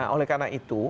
oleh karena itu